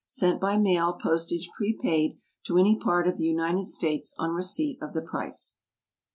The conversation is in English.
_Sent by mail, postage prepaid, to any part of the United States, on receipt of the price.